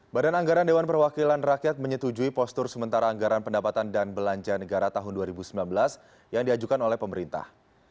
badan anggaran dewan perwakilan rakyat menyetujui postur sementara anggaran pendapatan dan belanja negara tahun dua ribu sembilan belas yang diajukan oleh pemerintah